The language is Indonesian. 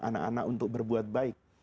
anak anak untuk berbuat baik